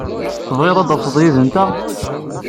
Tebɣiḍ ad d-taseḍ yid-nteɣ?